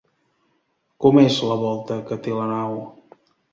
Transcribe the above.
Com és la volta que té la nau?